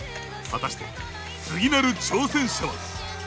果たして次なる挑戦者は！？